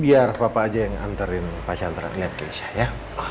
biar papa aja yang anterin pak chandra ke kelas ya